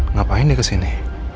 ngapain dia kesini